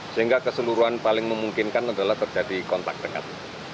sehingga keseluruhan paling memungkinkan adalah terjadi kontak dekat